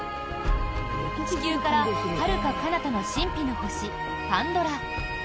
地球からはるかかなたの神秘の星パンドラ。